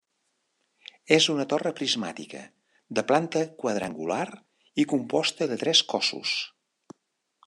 És una torre prismàtica de planta quadrangular i composta de tres cossos.